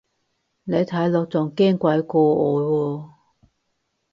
你睇落仲驚鬼過我喎